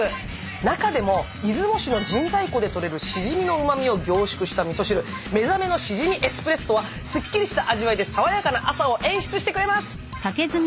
中でも出雲市の神西湖で採れるシジミのうま味を凝縮した味噌汁目覚めのしじみエスプレッソはすっきりした味わいで爽やかな朝を演出してくれます。